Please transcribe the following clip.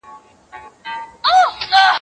زه به اوږده موده د سوالونو جواب ورکړی وم..